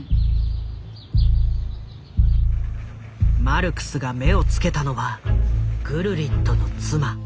マルクスが目をつけたのはグルリットの妻。